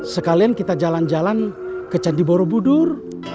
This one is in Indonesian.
sekalian kita jalan jalan ke candi borobudur